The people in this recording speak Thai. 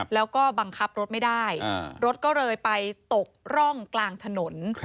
แล้วก็บังคับรถไม่ได้รถก็เลยไปตกร่องกลางถนน